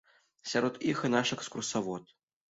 Сярод іх і наш экскурсавод.